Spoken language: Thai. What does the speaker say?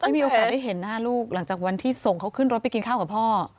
มีโอกาสได้เห็นหน้าลูกหลังจากวันที่ส่งเขาขึ้นรถไปกินข้าวกับพ่อ